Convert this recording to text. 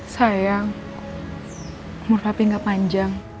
sayang umur papih nggak panjang